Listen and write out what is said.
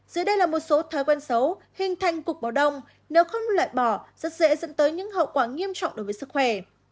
dưới đây là một số thói quen xấu hình thành cục báo đông nếu không loại bỏ rất dễ dẫn tới những hậu quả nghiêm trọng đối với sức khỏe